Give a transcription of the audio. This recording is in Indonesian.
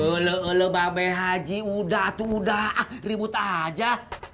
ulu ulu bape haji udatu udah ribut aja